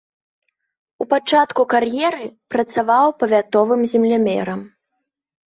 У пачатку кар'еры працаваў павятовым землямерам.